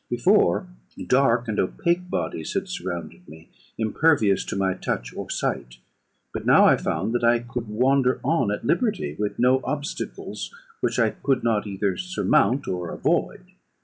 Before, dark and opaque bodies had surrounded me, impervious to my touch or sight; but I now found that I could wander on at liberty, with no obstacles which I could not either surmount or avoid.